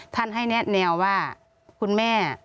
ท่านให้แนะแนวว่าคุณแม่